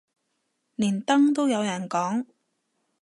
連登都有人講